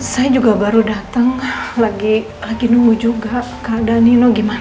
saya juga baru datang lagi nunggu juga keadaan nino gimana